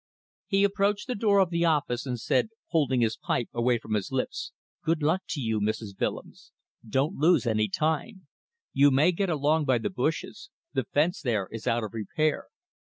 He approached the door of the office and said, holding his pipe away from his lips "Good luck to you, Mrs. Willems. Don't lose any time. You may get along by the bushes; the fence there is out of repair.